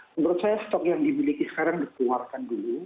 menurut saya stok yang dimiliki sekarang dikeluarkan dulu